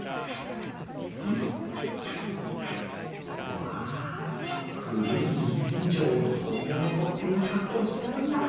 わあ古い南京錠を扉の取っ手に加工してあるんだ。